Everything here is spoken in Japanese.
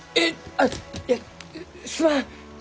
あっいやすまん！